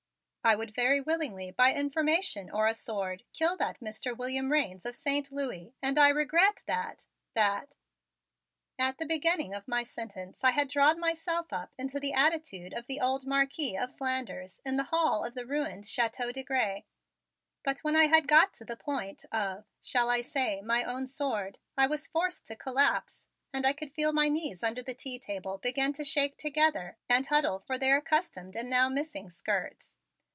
I would very willingly by information or a sword kill that Mr. William Raines of Saint Louis and I regret that that " At the beginning of my sentence I had drawn myself up into the attitude of the old Marquis of Flanders in the hall of the ruined Chateau de Grez, but when I had got to the point of, shall I say, my own sword? I was forced to collapse and I could feel my knees under the tea table begin to shake together and huddle for their accustomed and now missing skirts.